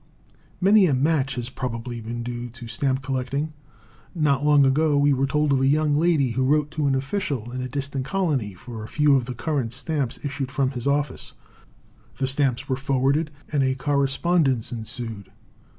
Many a match has probably been due to stamp collecting. Not long ago we were told of a young lady who wrote to an official in a distant colony for a few of the current stamps issued from his office. The stamps were forwarded and a correspondence ensued.